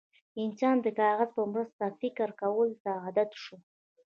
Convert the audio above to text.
انسان د کاغذ په مرسته فکر کولو ته عادت شو.